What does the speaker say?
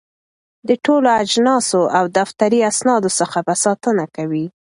د ټولو اجناسو او دفتري اسنادو څخه به ساتنه کوي.